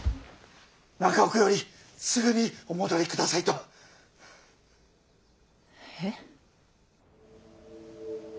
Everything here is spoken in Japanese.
中奥よりすぐにお戻り下さいと！え？